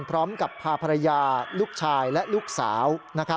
พร้อมกับพาภรรยาลูกชายและลูกสาว